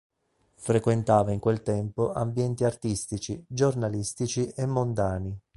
Frequentava in quel tempo ambienti artistici, giornalistici e mondani.